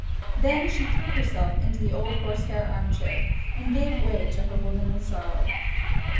Then she threw herself into the old horsehair arm chair, and gave way to her womanly sorrow.